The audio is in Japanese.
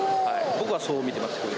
僕はそう見てますけど。